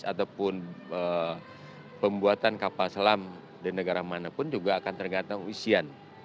ataupun pembuatan kapal selam di negara manapun juga akan tergantung isian